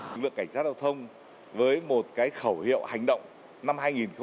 lực lượng cảnh sát đào thông với một cái khẩu hiệu hành động năm hai nghìn hai mươi ba